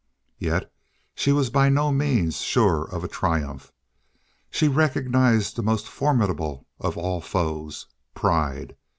Yet she was by no means sure of a triumph. She recognized the most formidable of all foes pride.